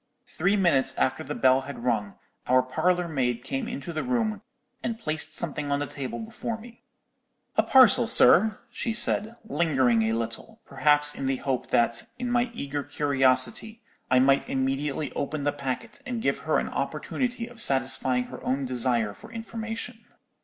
"Three minutes after the bell had rung, our parlour maid came into the room, and placed something on the table before me. "'A parcel, sir,' she said, lingering a little; perhaps in the hope that, in my eager curiosity, I might immediately open the packet, and give her an opportunity of satisfying her own desire for information.